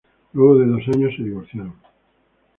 Luego de dos años se divorciaron.